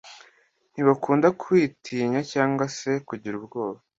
ntibakunda kwitinya cyangwa se kugira ubwoba